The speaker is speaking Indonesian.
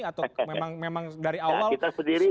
atau memang dari awal